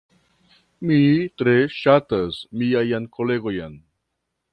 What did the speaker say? Mi tre ŝatas miajn kolegojn